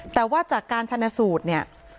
แต่ว่าจากการชนะสูตรเนี่ย